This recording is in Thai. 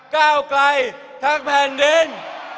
ก้าวไกลทั้งแผ่นดิน